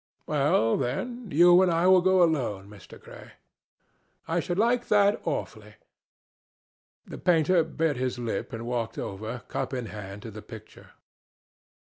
"Well, then, you and I will go alone, Mr. Gray." "I should like that awfully." The painter bit his lip and walked over, cup in hand, to the picture.